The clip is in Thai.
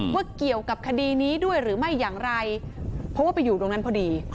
ว่าเกี่ยวกับคดีนี้ด้วยหรือไม่อย่างไรเพราะว่าไปอยู่ตรงนั้นพอดี